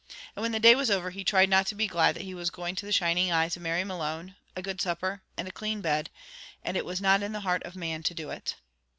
And when the day was over, he tried not to be glad that he was going to the shining eyes of Mary Malone, a good supper, and a clean bed, and it was not in the heart of man to do it.